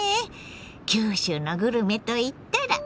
九州のグルメといったらあれ。